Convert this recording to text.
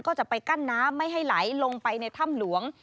ก็จะไปกั้นน้ำไม่ให้ไหลลงไปในถ้ำหลวง